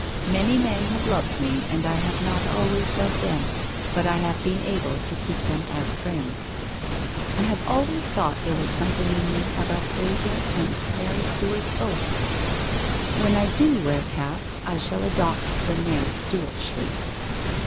' Many men have loved me, and I have not always loved them, but I have been able to keep them as friends. ... I have always thought there was something in me of Aspasia and Mary Stuart both? ... When I do wear caps, I shall adopt the Mary Stuart shape